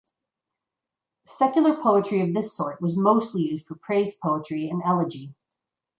Secular poetry of this sort was mostly used for praise poetry and elegy.